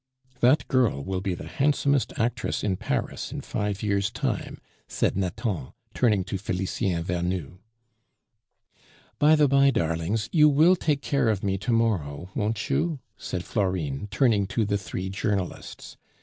"That girl will be the handsomest actress in Paris in five years' time," said Nathan, turning to Felicien Vernou. "By the by, darlings, you will take care of me to morrow, won't you?" said Florine, turning to the three journalists.